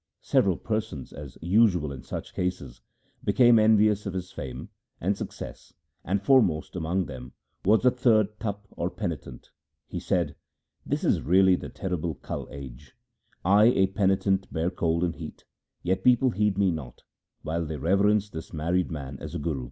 Several persons, as usual in such cases, became envious of his fame and success, and foremost among them was a third Tapa or penitent. 1 He said: 'This is really the terrible Kal age. I a penitent bear cold and heat, yet people heed me not, while they reverence this married man as a guru.'